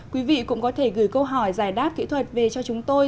quý vị cũng có thể gửi câu hỏi giải đáp kỹ thuật về cho chúng tôi